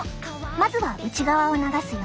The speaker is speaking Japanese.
まずは内側を流すよ。